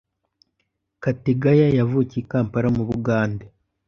Kategaya yavukiye ikampara mubugande